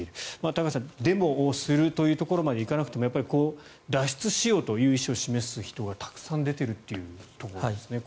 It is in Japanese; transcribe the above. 高橋さん、デモをするというところまでいかなくても脱出しようという意思を示す人がたくさん出ているというところですね。